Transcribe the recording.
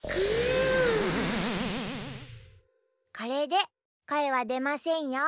これでこえはでませんよ。